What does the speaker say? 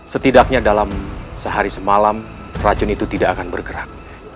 setidaknya dalam sehari semalam racun itu tidak akan bergerak